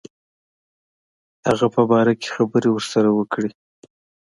هغه په باره کې خبري ورسره وکړي.